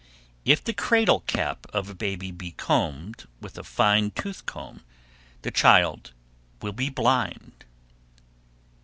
If the "cradle cap" of a baby be combed with a (fine?) tooth comb, the child will be blind.